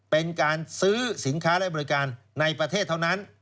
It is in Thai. เป็นการซื้อสินค้าและบริการในประเทศเท่านั้น